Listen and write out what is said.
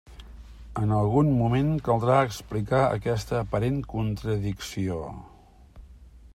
En algun moment caldrà explicar aquesta aparent contradicció.